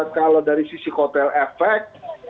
kalau dari sisi kotel efek